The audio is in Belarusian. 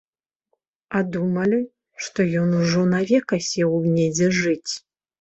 А думалі, што ён ужо навек асеў недзе жыць.